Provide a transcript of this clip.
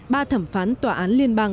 ba thẩm phán tòa án liên bang